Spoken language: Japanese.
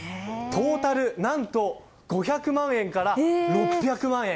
トータルで何と５００万円から６００万円。